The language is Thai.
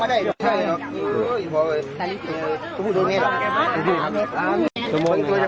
พร้อมแก้มมีจะได้ไว้สิ